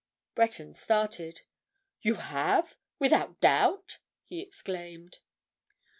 Breton started. "You have? Without doubt?" he exclaimed.